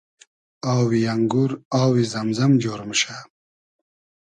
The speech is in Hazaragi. آوی انگور آوی زئم زئم جۉر موشۂ